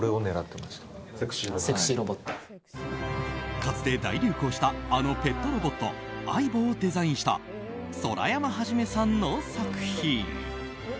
かつて大流行したあのペットロボットａｉｂｏをデザインした空山基さんの作品。